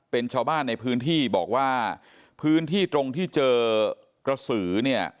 เป็นชาวบ้านในพื้นที่บอกว่าพื้นที่ตรงที่เจอกระสือเนี่ย